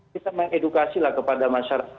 kita mengedukasilah kepada masyarakat